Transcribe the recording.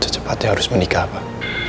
cepatnya harus menikah